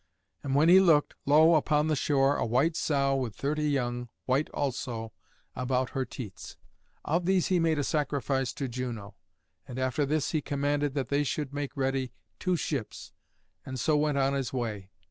And when he looked, lo! upon the shore a white sow with thirty young, white also, about her teats. Of these he made a sacrifice to Juno. And after this he commanded that they should make ready two ships, and so went on his way.